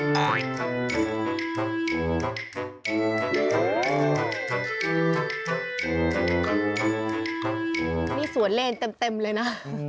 นี่สวนเลนเต็มเลยนะ